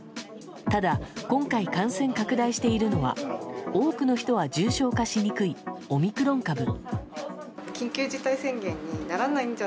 ただ、今回感染拡大しているのは多くの人は重症化しにくいオミクロン株。